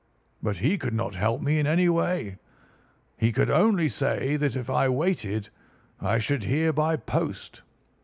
But he could not help me in any way. He could only say that if I waited I should hear by post.